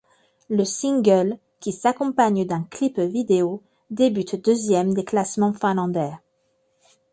Le single ', qui s'accompagne d'un clip vidéo, débute deuxième des classements finlandais.